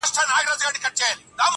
پلار ورو ورو کمزوری کيږي ډېر,